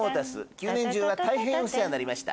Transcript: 旧年中は大変お世話になりました。